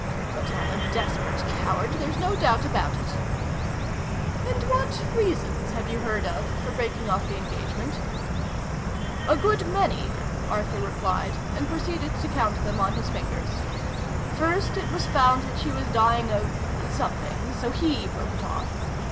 But I'm a desperate coward. There's no doubt about it !"" And what reasons have you heard of for breaking off the engagement ?" "A good many," Arthur replied, and pro ceeded to count them on his fingers. "First, it was found that she was dying of something ; so he broke it off.